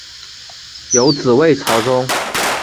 有子魏朝琮。